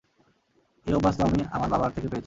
এই অভ্যাস তো আমি আমার বাবার থেকে পেয়েছি।